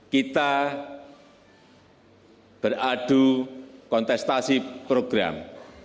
kita beradu kontestasi program